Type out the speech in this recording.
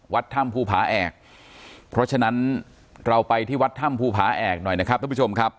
วัดถ้ำภูผาแอกเพราะฉะนั้นเราไปที่วัดถ้ำภูผาแอกหน่อยนะครับท่านผู้ชมครับ